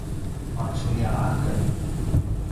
maculja aken